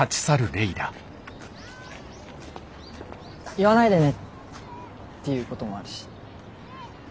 言わないでねっていうこともあるし。